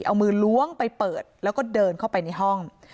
เอามือล้วงไปเปิดแล้วก็เดินเข้าไปในห้อง